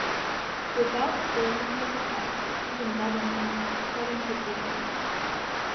Without spoiling the effect-even bettering it-cutting could be done.